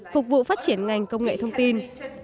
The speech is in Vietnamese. phục vụ phát triển ngành công nghệ thông tin